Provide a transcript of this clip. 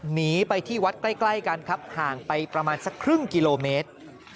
หนีไปที่วัดใกล้กันครับห่างไปประมาณสักครึ่งกิโลเมตร